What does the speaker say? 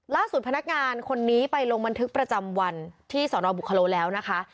พนักงานคนนี้ไปลงบันทึกประจำวันที่สนบุคโลแล้วนะคะ